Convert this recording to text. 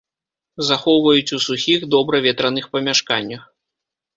Захоўваюць у сухіх, добра ветраных памяшканнях.